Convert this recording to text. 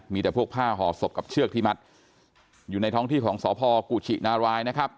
มีแต่พวกผ้าห่อศพกับเชือกที่มัดอยู่ในท้องที่ของสพกุชินารายนะครับ